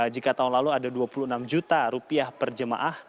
jika tahun lalu ada rp dua puluh enam per jemaah